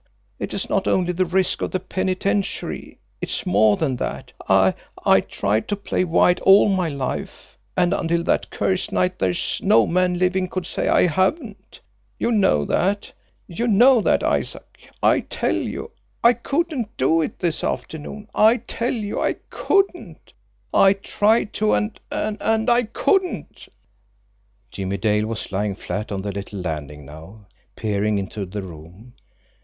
It is not only the risk of the penitentiary; it's more than that. I I tried to play white all my life, and until that cursed night there's no man living could say I haven't. You know that you know that, Isaac. I tell you I couldn't do it this afternoon I tell you I couldn't. I tried to and and I couldn't." Jimmie Dale was lying flat on the little landing now, peering into the room.